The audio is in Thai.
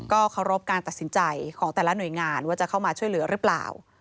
เคารพการตัดสินใจของแต่ละหน่วยงานว่าจะเข้ามาช่วยเหลือหรือเปล่า